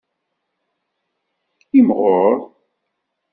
Imɣur.